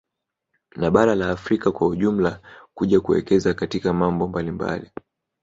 Na bara la Afrika kwa ujumla kuja kuwekeza katika mambo mbalimmbali